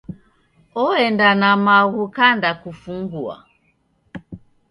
Oenda na maghu kanda kufungua.